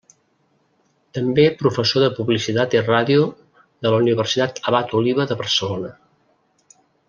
També professor de Publicitat i Ràdio de la Universitat Abat Oliva de Barcelona.